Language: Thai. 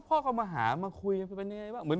พ่อเขามาหามาคุยกันเป็นยังไงบ้าง